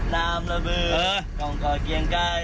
น้ำระบือต้องก่อเกียงใกล้